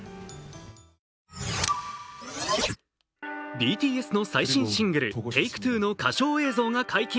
ＢＴＳの最新シングル「ＴａｋｅＴｗｏ」の歌唱映像が解禁。